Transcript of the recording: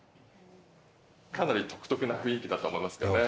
かなり独特な雰囲気だと思いますけどね。